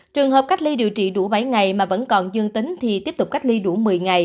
trường hợp cách ly điều trị đủ bảy ngày mà vẫn còn dương tính thì tiếp tục cách ly đủ một mươi ngày